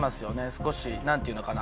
少しなんていうのかな